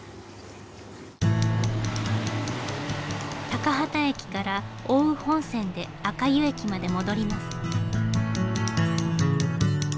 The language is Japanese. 高畠駅から奥羽本線で赤湯駅まで戻ります。